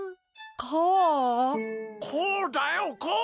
こうだよこう。